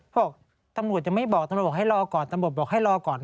บอกตำรวจจะไม่บอกตำรวจบอกให้รอก่อนตำรวจบอกให้รอก่อน